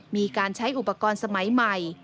มีการใช้อุปกรณ์สมัยใหม่